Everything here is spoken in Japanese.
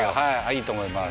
いいと思います